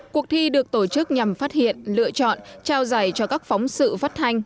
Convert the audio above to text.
cuộc thi được tổ chức nhằm phát hiện lựa chọn trao giải cho các phóng sự phát hành